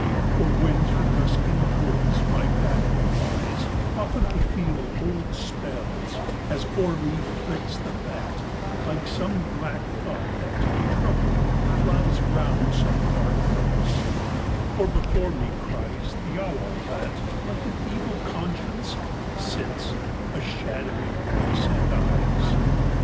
For, when through dusking woods my pathway lies, Often I feel old spells, as o'er me flits The bat, like some black thought that, troubled, flies Round some dark purpose; or before me cries The owl that, like an evil conscience, sits, A shadowy voice and eyes.